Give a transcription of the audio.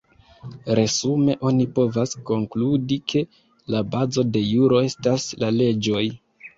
Resume oni povas konkludi ke la bazo de juro estas la leĝoj.